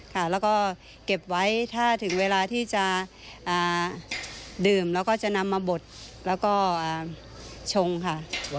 ค่ะแล้วก็เก็บไว้ถ้าถึงเวลาที่จะดื่มแล้วก็จะนำมาบดแล้วก็ชงค่ะ